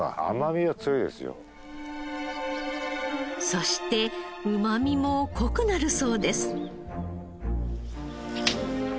そしてうまみも濃くなるそうです。